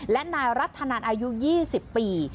และนายรัฐนันอายุ๒๐ปี